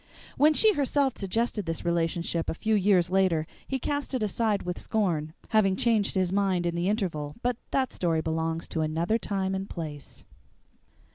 When she herself suggested this relationship a few years later he cast it aside with scorn, having changed his mind in the interval but that story belongs to another time and place.